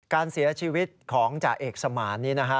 การเสียชีวิตของจ่าเอกสมานนี้นะฮะ